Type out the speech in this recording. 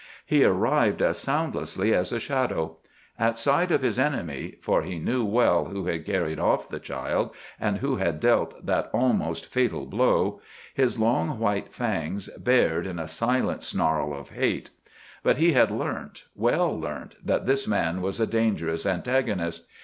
He arrived as soundlessly as a shadow. At sight of his enemy—for he knew well who had carried off the child, and who had dealt that almost fatal blow—his long white fangs bared in a silent snarl of hate. But he had learnt, well learnt, that this man was a dangerous antagonist.